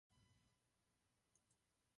Celý proces je samozřejmě rychlejší o celé roky.